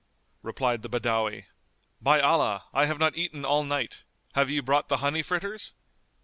Replied the Badawi, "By Allah! I have not eaten all night. Have ye brought the honey fritters?"